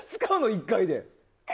１回で。